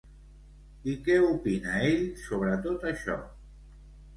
I què opina ell sobre tot això?